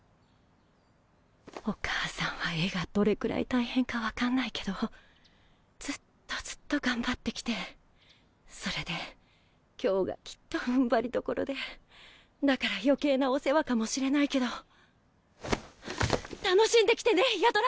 お母さんは絵がどれくらい大変か分かんないけどずっとずっと頑張ってきてそれで今日がきっとふんばりどころでだから余計なお世話かもしれないけど楽しんできてね八虎！